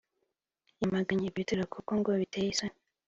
yamganye ibyo bitero kuko ngo biteye isoni